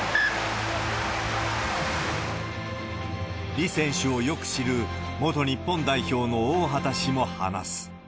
李選手をよく知る元日本代表の大畑氏も話す。